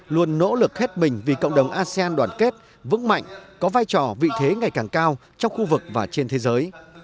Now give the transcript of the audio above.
luôn nỗ lực hết mình vì cộng đồng asean đoàn kết vững mạnh có vai trò vị thế ngày càng cao trong khu vực và trên thế giới